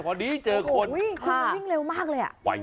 เขาวิ่งแล้วมากเลย